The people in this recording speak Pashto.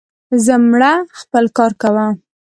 زه مړه, خپل کار کوه.